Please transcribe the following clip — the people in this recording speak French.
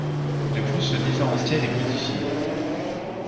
De plus le différentiel est modifié.